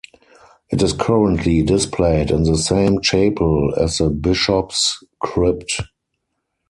It is currently displayed in the same chapel as the bishops' crypt.